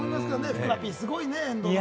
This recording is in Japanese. ふくらＰ、すごいよね。